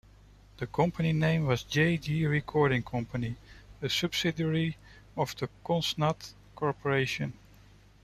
The company name was Jay-Gee Recording Company, a subsidiary of the Cosnat Corporation.